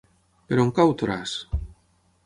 Per on cau Toràs?